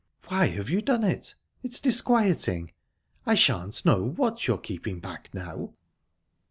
"Why have you done it? It's disquieting. I shan't know what you're keeping back now."